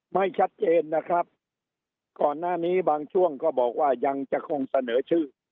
ไม่ชัดเจนนะครับก่อนหน้านี้บางช่วงก็บอกว่ายังจะคงเสนอชื่อ